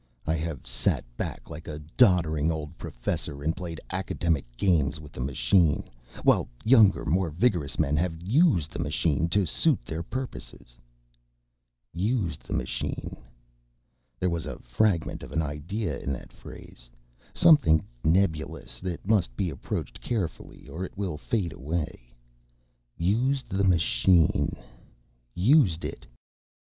I have sat back like a doddering old professor and played academic games with the machine, while younger, more vigorous men have USED the machine to suit their purposes._ Used the machine. There was a fragment of an idea in that phrase. Something nebulous, that must be approached carefully or it will fade away. Used the machine ... used it